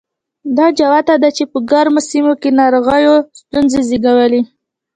دا جوته ده چې په ګرمو سیمو کې ناروغیو ستونزې زېږولې.